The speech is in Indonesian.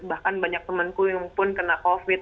bahkan banyak temanku yang pun kena covid